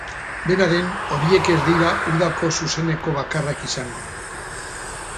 Dena den, horiek ez dira udako zuzeneko bakarrak izango.